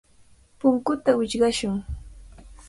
Punkuta wichqashun.